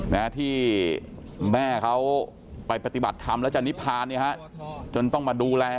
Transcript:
แม้ที่แม่เขาไปปฏิบัติธรรมและจันนิพพานจนต้องมาดูแลกัน